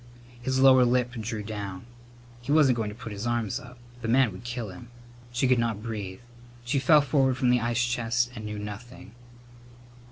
His lower lip drew down. He wasn't going to put his arms up. The man would kill him. She could not breathe. She fell forward from the ice chest and knew nothing.